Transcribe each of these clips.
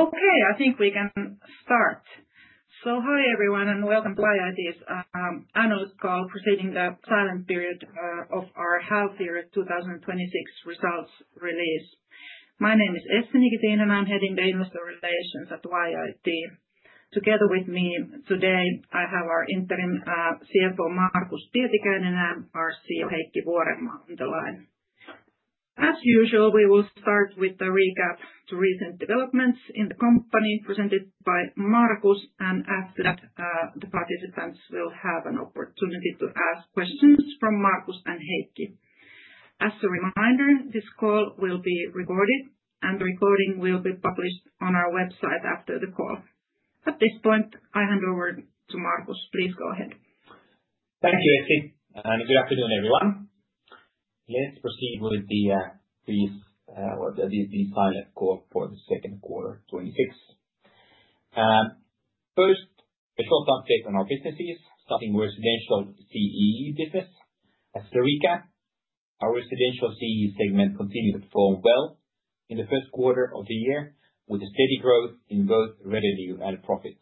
Hi everyone, and welcome to YIT's annual call preceding the silent period of our half year 2026 results release. My name is Essi Nikitin, and I'm heading the Investor Relations at YIT. Together with me today, I have our interim CFO, Markus Pietikäinen, and our CEO, Heikki Vuorenmaa, on the line. As usual, we will start with the recap to recent developments in the company presented by Markus, and after that, the participants will have an opportunity to ask questions from Markus and Heikki. As a reminder, this call will be recorded and the recording will be published on our website after the call. At this point, I hand over to Markus. Please go ahead. Thank you, Essi, and good afternoon, everyone. Let's proceed with the silent call for the second quarter 2026. First, a short update on our businesses starting with residential CEE business. As a recap, our residential CEE segment continued to perform well in the first quarter of the year with a steady growth in both revenue and profit.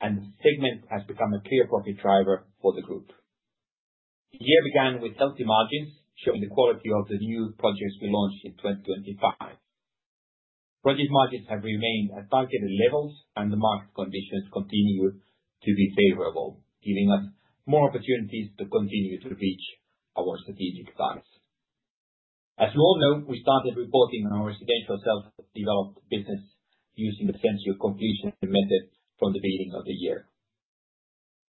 The segment has become a clear profit driver for the group. The year began with healthy margins showing the quality of the new projects we launched in 2025. Project margins have remained at targeted levels and the market conditions continue to be favorable, giving us more opportunities to continue to reach our strategic targets. As you all know, we started reporting on our residential self-developed business using the percentage of completion method from the beginning of the year.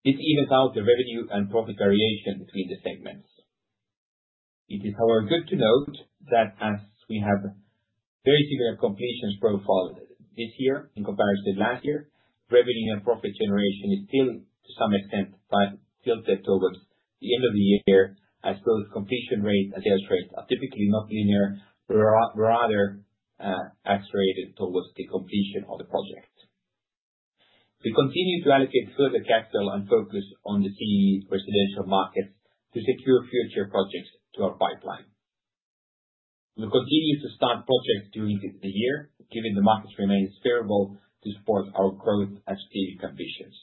This evens out the revenue and profit variation between the segments. It is, however, good to note that as we have very similar completions profile this year in comparison to last year, revenue and profit generation is still to some extent biased towards the end of the year, as those completion rates and sales rates are typically not linear, but are rather accelerated towards the completion of the project. We continue to allocate further capital and focus on the CEE residential markets to secure future projects to our pipeline. We'll continue to start projects during the year, given the market remains favorable to support our growth and strategic ambitions.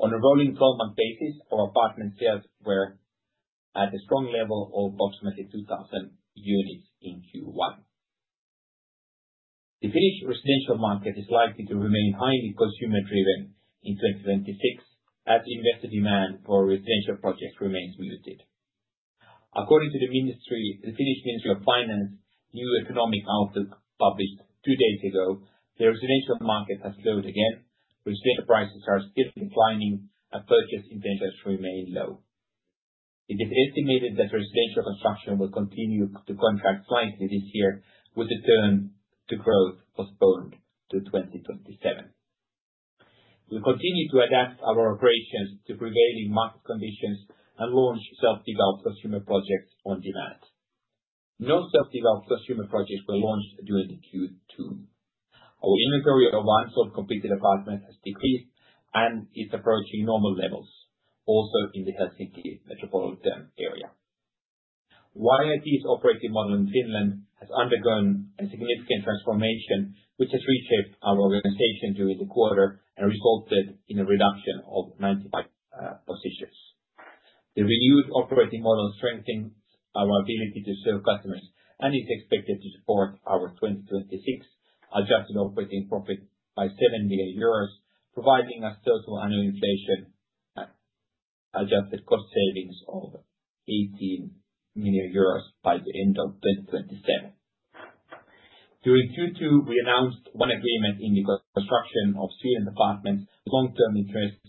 On a rolling 12-month basis, our apartment sales were at a strong level of approximately 2,000 units in Q1. The Finnish residential market is likely to remain highly consumer-driven in 2026, as investor demand for residential projects remains muted. According to the Finnish Ministry of Finance new economic outlook published two days ago, the residential market has slowed again. Residential prices are still declining and purchase intentions remain low. It is estimated that residential construction will continue to contract slightly this year with the return to growth postponed to 2027. We continue to adapt our operations to prevailing market conditions and launch self-developed customer projects on demand. No self-developed customer projects were launched during the Q2. Our inventory of unsold completed apartments has decreased and is approaching normal levels also in the Helsinki metropolitan area. YIT's operating model in Finland has undergone a significant transformation, which has reshaped our organization during the quarter and resulted in a reduction of 95 positions. The renewed operating model strengthens our ability to serve customers and is expected to support our 2026 adjusted operating profit by 7 million euros, providing us total annualization adjusted cost savings of 18 million euros by the end of 2027. During Q2, we announced one agreement in the construction of student apartments with long-term interest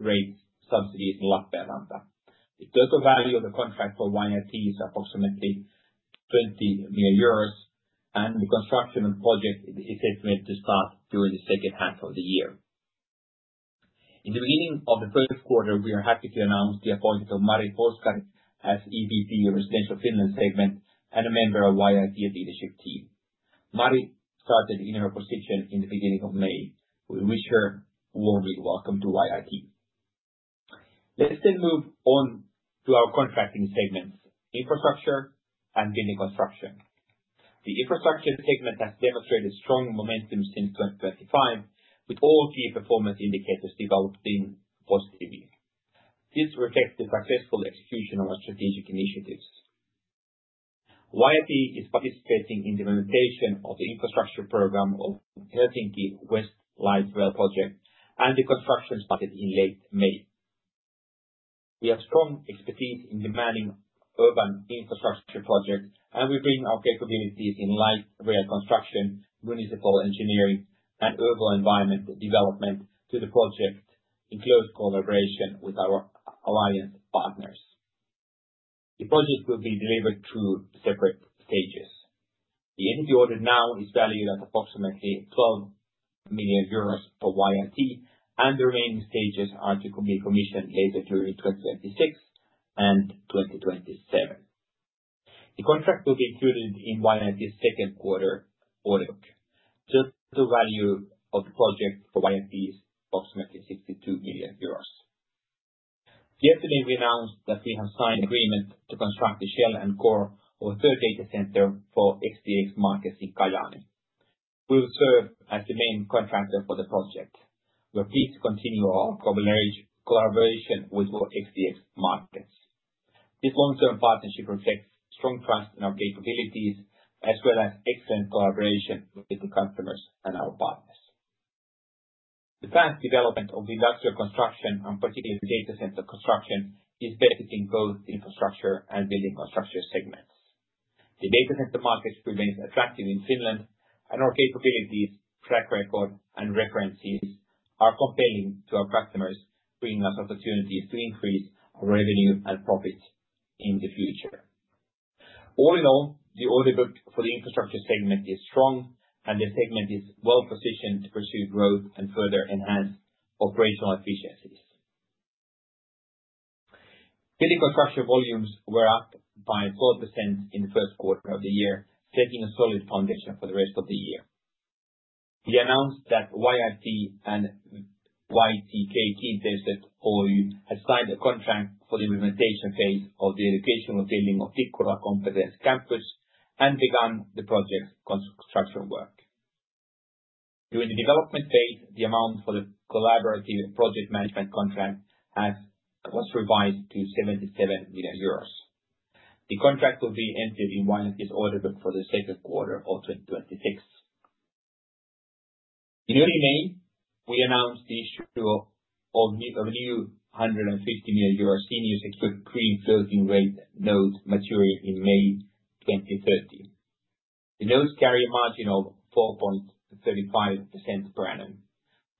rate subsidies in Lappeenranta. The total value of the contract for YIT is approximately 20 million euros, and the construction of project is estimated to start during the second half of the year. In the beginning of the third quarter, we are happy to announce the appointment of Mari Puoskari as EVP Residential Finland segment and a member of YIT leadership team. Mari started in her position in the beginning of May. We wish her warmly welcome to YIT. Let's move on to our contracting segments, infrastructure and building construction. The infrastructure segment has demonstrated strong momentum since 2025, with all key performance indicators developing positively. This reflects the successful execution of our strategic initiatives. YIT is participating in the implementation of the infrastructure program of Helsinki West Light Rail Project, and the construction started in late May. We have strong expertise in demanding urban infrastructure projects, and we bring our capabilities in light rail construction, municipal engineering, and urban environment development to the project in close collaboration with our alliance partners. The project will be delivered through separate stages. The entity ordered now is valued at approximately 12 million euros for YIT, and the remaining stages are to be commissioned later during 2026 and 2027. The contract will be included in YIT's second quarter order book. The total value of the project for YIT is approximately 62 million euros. Yesterday we announced that we have signed an agreement to construct the shell and core of a third data center for XTX Markets in Kajaani. We will serve as the main contractor for the project. We are pleased to continue our collaboration with XTX Markets. This long-term partnership reflects strong trust in our capabilities, as well as excellent collaboration with digital customers and our partners. The fast development of industrial construction, and particularly data center construction, is benefiting both infrastructure and building construction segments. The data center market remains attractive in Finland, and our capabilities, track record, and references are compelling to our customers, bringing us opportunities to increase our revenue and profit in the future. All in all, the order book for the infrastructure segment is strong, and the segment is well-positioned to pursue growth and further enhance operational efficiencies. Building construction volumes were up by 12% in the first quarter of the year, setting a solid foundation for the rest of the year. We announced that YIT and VTK Kiinteistöt Oy have signed a contract for the implementation phase of the educational building of Tikkurila Competence Campus and begun the project's construction work. During the development phase, the amount for the collaborative project management contract was revised to 77 million euros. The contract will be entered in YIT's order book for the second quarter of 2026. In early May, we announced the issue of a new 150 million euros senior secured green floating rate note maturing in May 2030. The notes carry a margin of 4.35% per annum.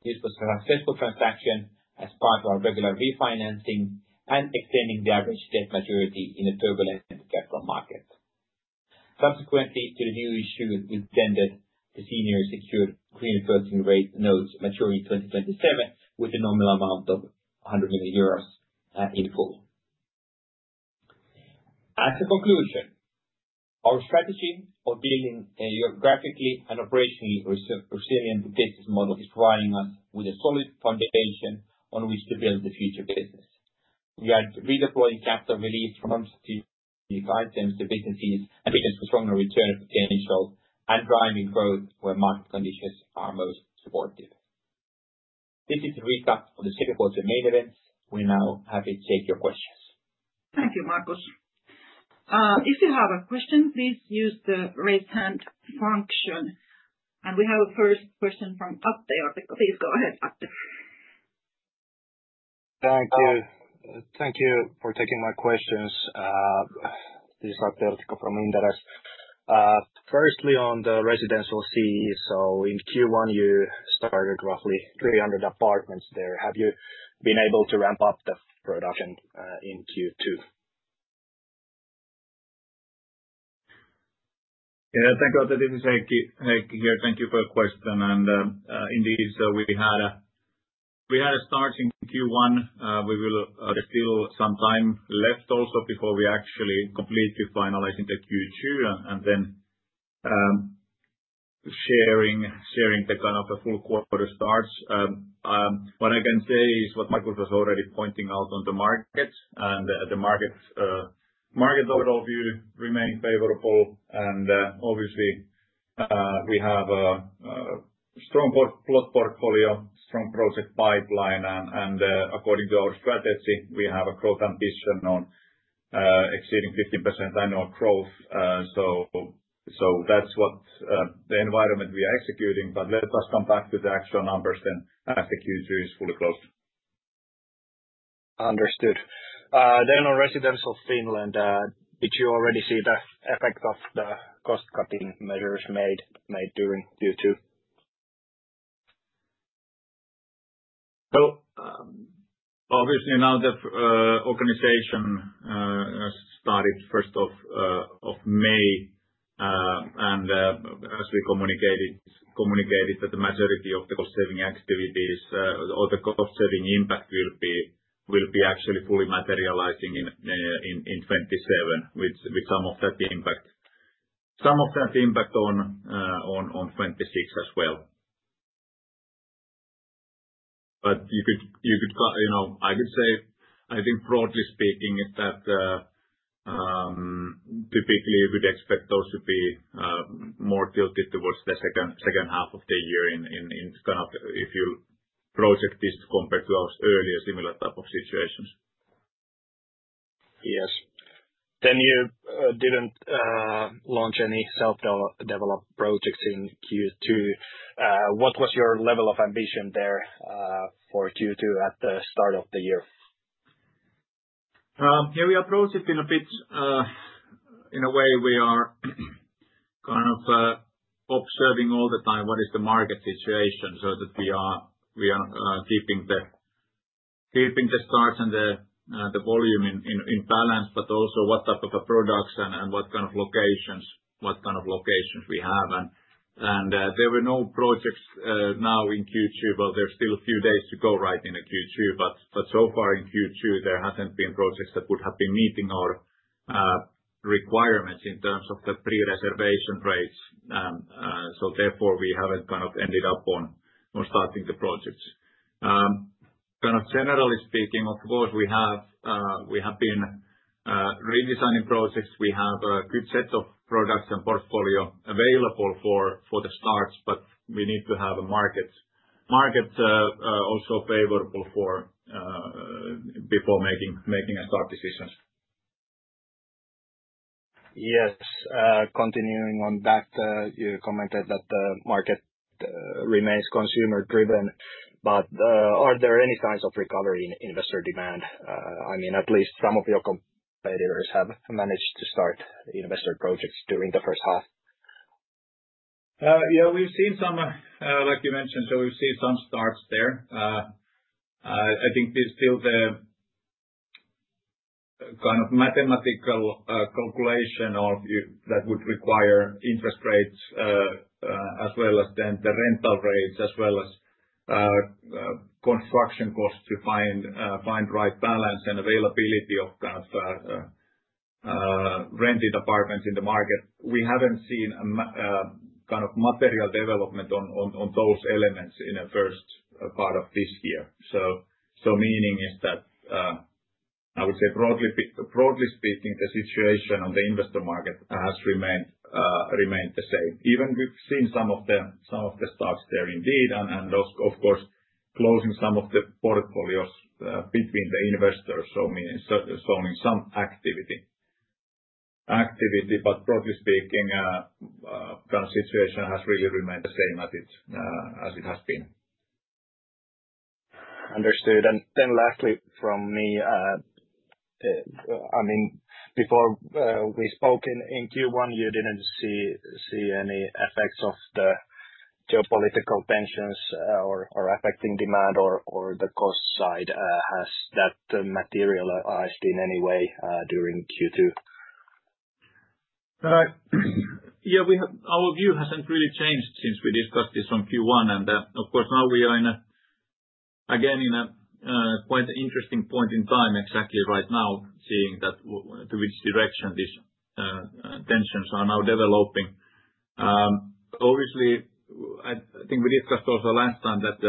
This was a successful transaction as part of our regular refinancing and extending the average debt maturity in a turbulent capital market. Subsequently to the new issue, we tendered the senior secured green floating rate notes maturing 2027 with a nominal amount of 100 million euros in full. As a conclusion, our strategy of building a geographically and operationally resilient business model is providing us with a solid foundation on which to build the future business. We are redeploying capital released from non-strategic items to businesses and business with stronger return potential and driving growth where market conditions are most supportive. This is a recap of the typical main events. We're now happy to take your questions. Thank you, Markus. If you have a question, please use the raise hand function. We have a first question from Atte Jortikka. Please go ahead, Atte. Thank you. Thank you for taking my questions. This is Atte Jortikka from Inderes. Firstly, on the residential CE, in Q1, you started roughly 300 apartments there. Have you been able to ramp up the production in Q2? Yeah, thank God. This is Heikki here. Thank you for your question. Indeed, we had a start in Q1. We will still have some time left also before we actually completely finalize into Q2, sharing the kind of the full quarter starts. What I can say is what Markus was already pointing out on the markets, the market overview remain favorable. Obviously, we have a strong plot portfolio, strong project pipeline. According to our strategy, we have a growth ambition on exceeding 15% annual growth. That's what the environment we are executing. Let us come back to the actual numbers after Q2 is fully closed. Understood. On Residential Finland, did you already see the effect of the cost-cutting measures made during Q2? Obviously now the organization started May 1st, and as we communicated that the majority of the cost-saving activities or the cost-saving impact will be actually fully materializing in 2027 with some of that impact on 2026 as well. I would say, I think broadly speaking is that, typically we'd expect those to be more tilted towards the second half of the year in kind of if you project this compared to our earlier similar type of situations. Yes. You didn't launch any self-developed projects in Q2. What was your level of ambition there for Q2 at the start of the year? Here we approach it in a way we are kind of observing all the time what is the market situation so that we are keeping the starts and the volume in balance. Also what type of a products and what kind of locations we have. There were no projects now in Q2. Well, there's still a few days to go right in Q2. But so far in Q2, there hasn't been projects that would have been meeting our requirements in terms of the pre-reservation rates. Therefore, we haven't ended up on starting the projects. Generally speaking, of course, we have been redesigning projects. We have a good set of products and portfolio available for the start, but we need to have a market also favorable before making a start decisions. Yes. Continuing on that, you commented that the market remains consumer-driven. Are there any signs of recovery in investor demand? At least some of your competitors have managed to start investor projects during the first half. Yeah. Like you mentioned, we've seen some starts there. I think there's still the mathematical calculation that would require interest rates, as well as then the rental rates, as well as construction costs to find right balance and availability of rented apartments in the market. We haven't seen material development on those elements in the first part of this year. Meaning is that, I would say broadly speaking, the situation on the investor market has remained the same. Even we've seen some of the stocks there indeed and of course closing some of the portfolios between the investors, meaning showing some activity. Broadly speaking, current situation has really remained the same as it has been. Understood. Lastly from me, before we spoke in Q1, you didn't see any effects of the geopolitical tensions or affecting demand or the cost side. Has that materialized in any way, during Q2? Yeah. Our view hasn't really changed since we discussed this on Q1. Of course, now we are again in a quite interesting point in time, exactly right now, seeing that to which direction these tensions are now developing. Obviously, I think we discussed also last time that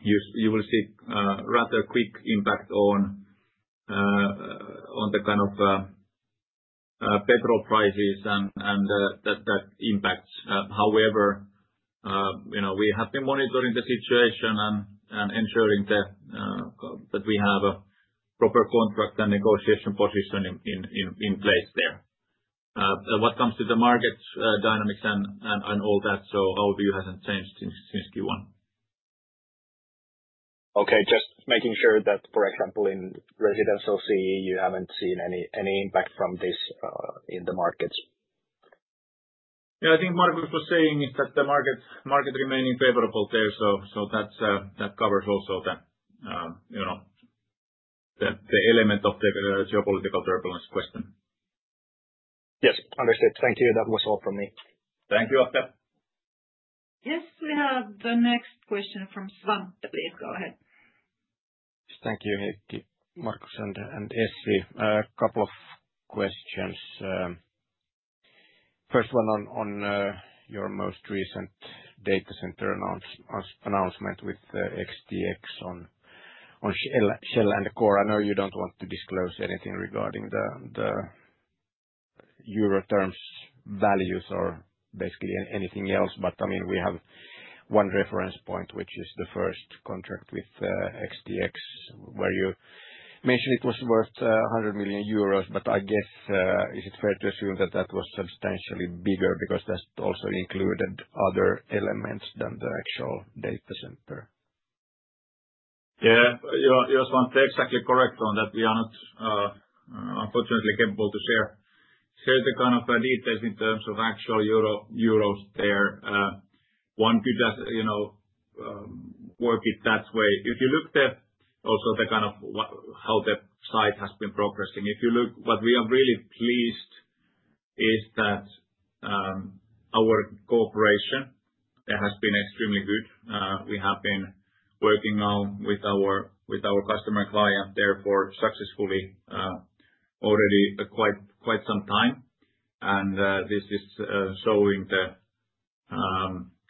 you will see rather quick impact on the petrol prices and that impacts. However, we have been monitoring the situation and ensuring that we have a proper contract and negotiation position in place there. What comes to the market dynamics and all that, our view hasn't changed since Q1. Okay. Just making sure that, for example, in residential CE, you haven't seen any impact from this in the markets. Yeah. I think Markus was saying is that the market remaining favorable there. That covers also the element of the geopolitical turbulence question. Yes. Understood. Thank you. That was all from me. Thank you, Atte. Yes, we have the next question from Svante. Please go ahead. Thank you, YIT. Markus and Essi, a couple of questions. First one on your most recent data center announcement with XTX on shell and core. I know you do not want to disclose anything regarding the EUR terms values or basically anything else, but we have one reference point, which is the first contract with XTX, where you mentioned it was worth 100 million euros. I guess, is it fair to assume that that was substantially bigger because that also included other elements than the actual data center? You are, Svante, exactly correct on that. We are not, unfortunately, capable to share the kind of details in terms of actual EUR there. One could just work it that way. If you look also at how the site has been progressing. If you look, what we are really pleased is that our cooperation there has been extremely good. We have been working now with our customer client there for successfully already quite some time. This is showing the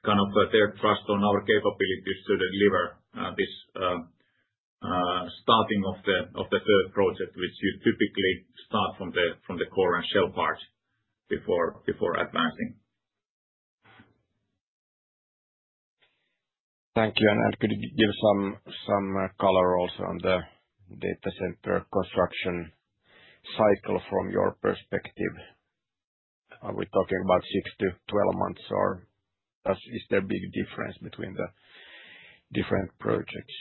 kind of their trust on our capabilities to deliver this starting of the third project, which you typically start from the core and shell part before advancing. Thank you. Could you give some color also on the data center construction cycle from your perspective? Are we talking about 6-12 months, or is there a big difference between the different projects?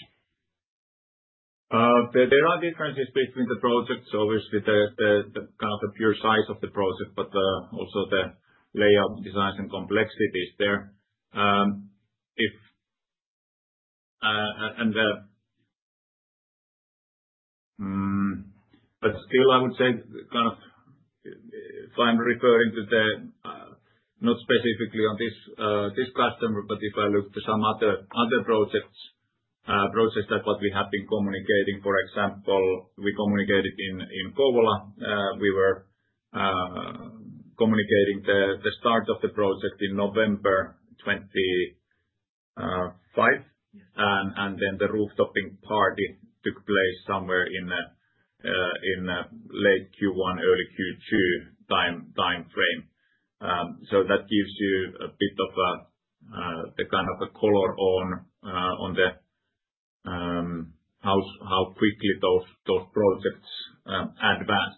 There are differences between the projects. Obviously, the kind of the pure size of the project, but also the layout designs and complexities there. Still, I would say, if I'm referring to the Not specifically on this customer, but if I look to some other projects that we have been communicating, for example, we communicated in Kouvola. We were communicating the start of the project in November 25, and then the rooftoping party took place somewhere in late Q1, early Q2 timeframe. That gives you a bit of the color on how quickly those projects advance.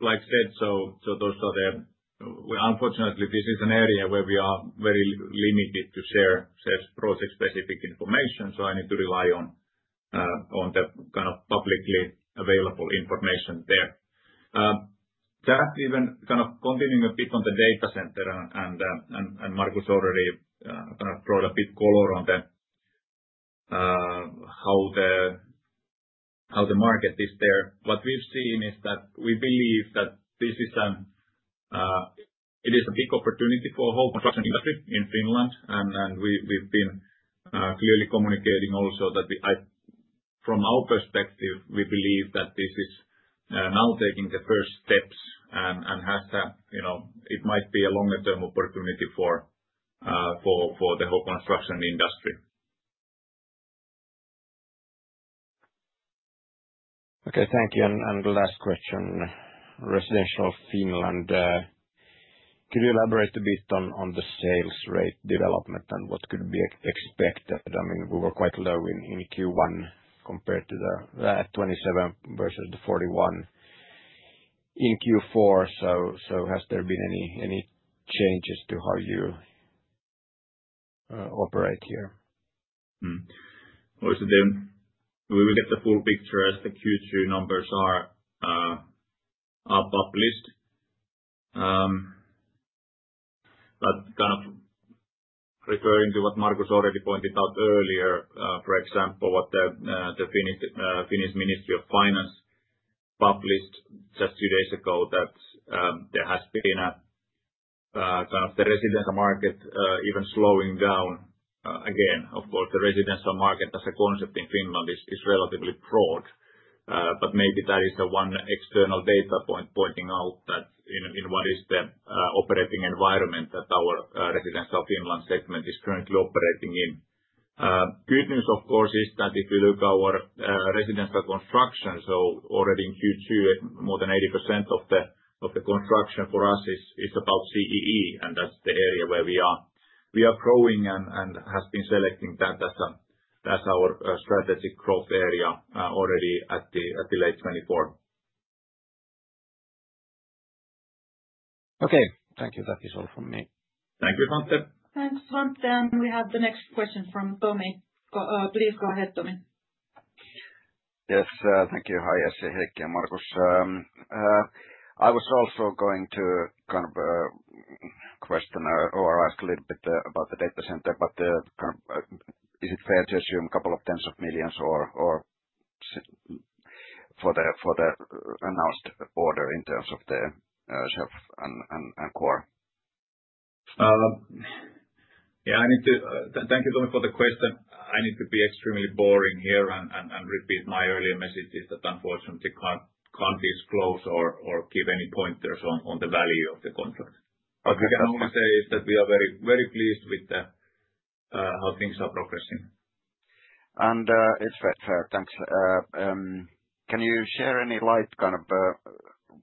Like I said, unfortunately, this is an area where we are very limited to share project-specific information, so I need to rely on the publicly available information there. Just even continuing a bit on the data center and Markus already brought a bit color on how the market is there. What we've seen is that we believe that it is a big opportunity for the whole construction industry in Finland. We've been clearly communicating also that from our perspective, we believe that this is now taking the first steps and it might be a longer-term opportunity for the whole construction industry. Okay. Thank you. The last question. Residential Finland, could you elaborate a bit on the sales rate development and what could be expected? I mean, we were quite low in Q1 compared to the 27 versus the 41 in Q4. Has there been any changes to how you operate here? We will get the full picture as the Q3 numbers are published. Referring to what Markus already pointed out earlier, for example, what the Finnish Ministry of Finance published just few days ago, that the residential market even slowing down. Again, of course, the residential market as a concept in Finland is relatively broad. Maybe that is the one external data point pointing out that in what is the operating environment that our Residential Finland segment is currently operating in. Good news, of course, is that if you look our residential construction, so already in Q2, more than 80% of the construction for us is about CEE, and that's the area where we are growing and has been selecting that as our strategic growth area already at the late 2024. Okay. Thank you. That is all from me. Thank you, Svante. Thanks, Svante. We have the next question from Tommy. Please go ahead, Tommy. Yes. Thank you. Hi, Essi. Hey, Markus. I was also going to question or ask a little bit about the data center, is it fair to assume a couple of tens of millions EUR for the announced order in terms of the shell and core? Thank you, Tommy, for the question. I need to be extremely boring here and repeat my earlier messages that unfortunately can't disclose or give any pointers on the value of the contract. What we can only say is that we are very pleased with how things are progressing. It's fair. Thanks. Can you share any light,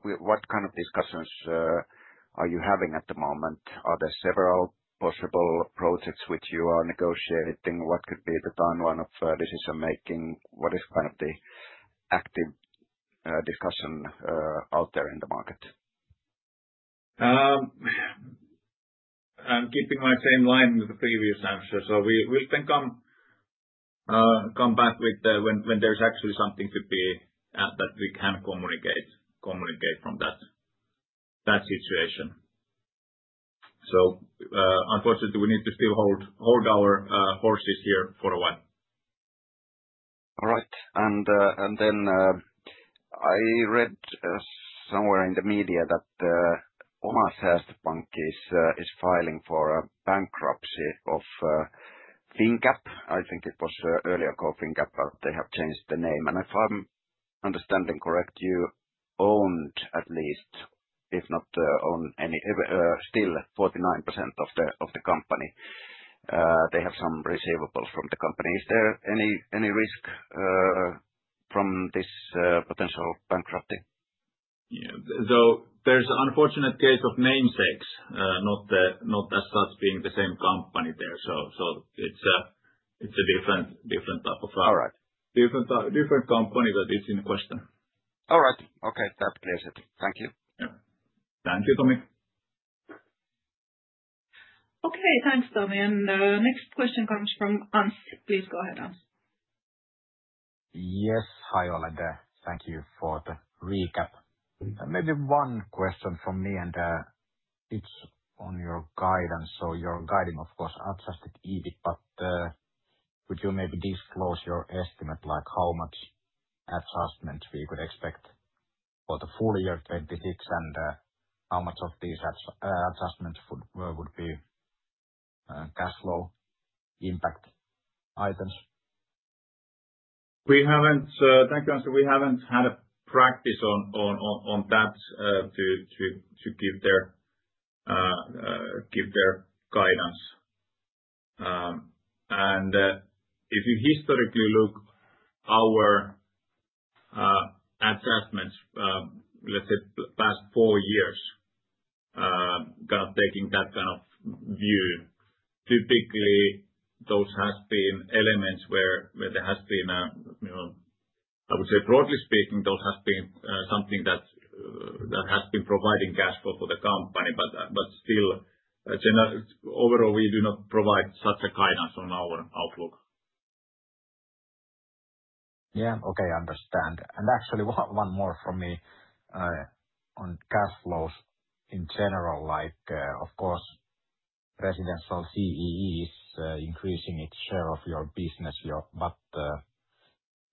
what kind of discussions are you having at the moment? Are there several possible projects which you are negotiating? What could be the timeline of decision-making? What is the active discussion out there in the market? I'm keeping my same line with the previous answer. We will then come back when there's actually something that we can communicate from that situation. Unfortunately, we need to still hold our horses here for a while. All right. Then, I read somewhere in the media that Oma Säästöpankki is filing for a bankruptcy of FinCap. I think it was earlier called FinCap, but they have changed the name. If I'm understanding correct, you owned, at least, if not own still 49% of the company. They have some receivables from the company. Is there any risk from this potential bankruptcy? There's an unfortunate case of namesakes, not as such being the same company there. It's a different- All right. different company that is in question. All right. Okay, that clears it. Thank you. Yeah. Thank you, Tommy. Okay. Thanks, Tommy. Next question comes from Hans. Please go ahead, Hans. Yes. Hi, all. Thank you for the recap. Maybe one question from me and it's on your guidance. Your guidance, of course adjusted EBIT, but Would you maybe disclose your estimate, how much adjustments we could expect for the full year 2026, and how much of these adjustments would be cash flow impact items? Thank you, Anssi. We haven't had a practice on that to give that guidance. If you historically look our adjustments, let's say the past four years, taking that kind of view, typically those have been elements where there has been, I would say, broadly speaking, those have been something that has been providing cash flow for the company. Still, overall, we do not provide such a guidance on our outlook. Yeah. Okay, understand. Actually, one more from me on cash flows in general. Of course, residential CEE is increasing its share of your business.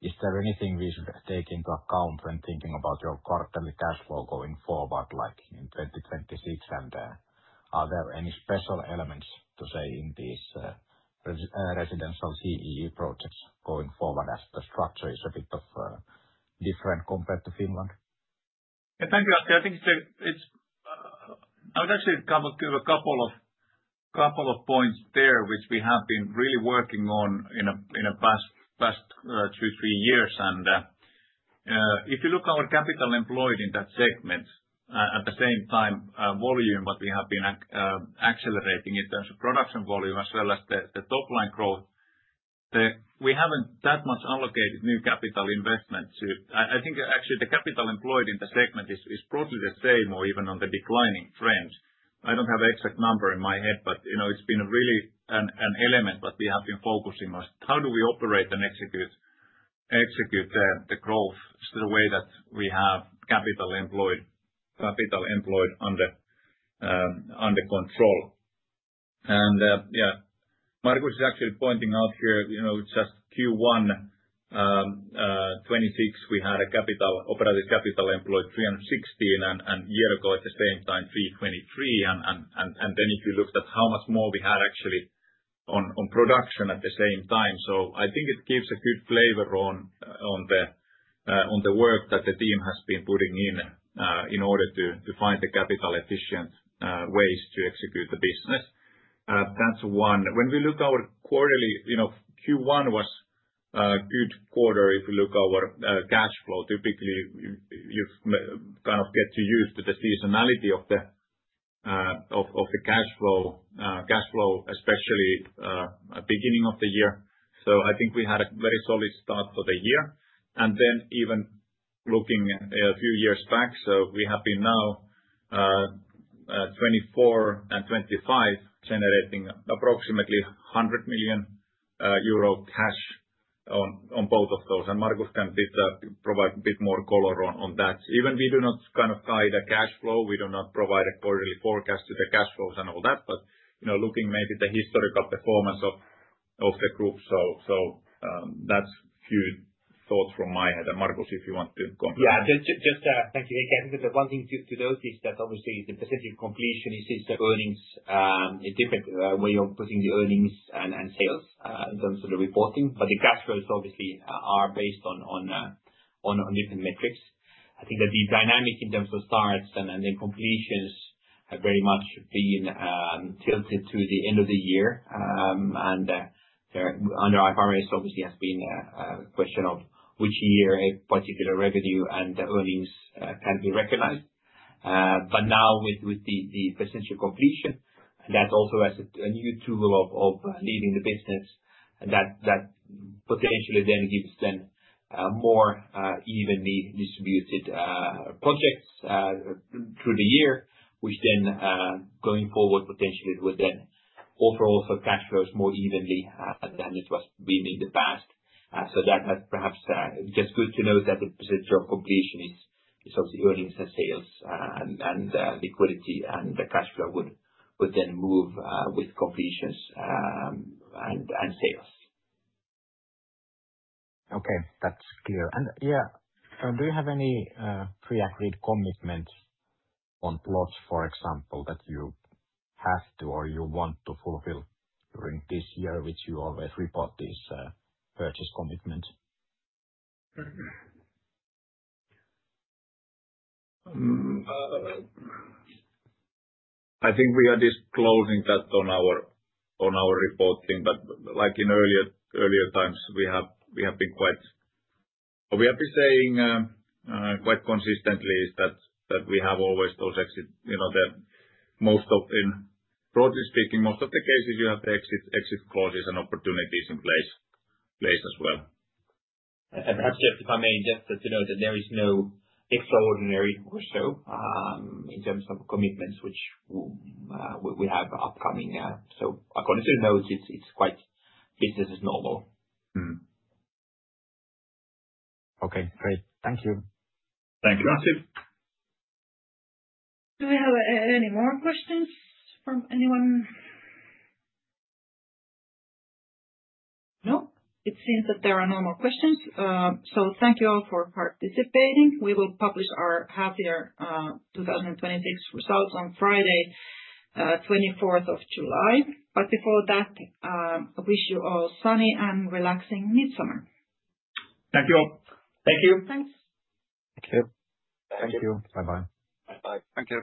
Is there anything we should take into account when thinking about your quarterly cash flow going forward, like in 2026? Are there any special elements, to say, in these residential CEE projects going forward as the structure is a bit different compared to Finland? Yeah. Thank you, Anssi. I would actually give a couple of points there, which we have been really working on in the past two, three years. If you look our capital employed in that segment, at the same time, volume that we have been accelerating in terms of production volume as well as the top-line growth, we haven't that much allocated new capital investment to I think, actually, the capital employed in the segment is broadly the same or even on the declining trends. I don't have the exact number in my head, but it's been really an element that we have been focusing on. How do we operate and execute the growth so the way that we have capital employed under control? Markus is actually pointing out here, just Q1 2026, we had operating capital employed 316, and a year ago at the same time, 323. If you looked at how much more we had actually on production at the same time. I think it gives a good flavor on the work that the team has been putting in in order to find the capital-efficient ways to execute the business. That's one. When we look our quarterly, Q1 was a good quarter if you look our cash flow. Typically, you kind of get to use the seasonality of the cash flow, especially beginning of the year. I think we had a very solid start for the year. Even looking a few years back, we have been now 2024 and 2025 generating approximately 100 million euro cash on both of those. Markus can provide a bit more color on that. Even we do not guide the cash flow, we do not provide a quarterly forecast to the cash flows and all that, but looking maybe the historical performance of the group. That's a few thoughts from my head. Markus, if you want to comment. Thank you. I think the one thing to note is that obviously the percentage of completion is earnings, a different way of putting the earnings and sales in terms of the reporting. The cash flows obviously are based on different metrics. I think that the dynamic in terms of starts and then completions have very much been tilted to the end of the year. Under IFRS, obviously, has been a question of which year a particular revenue and the earnings can be recognized. Now with the percentage of completion, that also has a new tool of leading the business that potentially then gives them more evenly distributed projects through the year. Going forward, potentially would then offer also cash flows more evenly than it was being in the past. That perhaps just good to note that the percentage of completion is obviously earnings and sales and liquidity, and the cash flow would then move with completions and sales. Okay, that's clear. Do you have any pre-agreed commitments on plots, for example, that you have to or you want to fulfill during this year, which you always report these purchase commitments? I think we are disclosing that on our reporting. Like in earlier times, we have been saying quite consistently is that we have always those exit. Broadly speaking, most of the cases you have exit clauses and opportunities in place as well. Perhaps, Jeff, if I may just add to note that there is no extraordinary or so in terms of commitments which we have upcoming. According to the notes, it's quite business as normal. Okay, great. Thank you. Thank you, Anssi. Do we have any more questions from anyone? Nope, it seems that there are no more questions. Thank you all for participating. We will publish our half year 2026 results on Friday, 24th of July. Before that, I wish you all sunny and relaxing midsummer. Thank you all. Thank you. Thanks. Okay. Thank you. Bye bye. Bye bye. Thank you.